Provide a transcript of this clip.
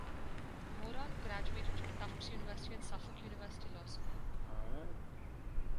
Moran graduated from Tufts University and Suffolk University Law School.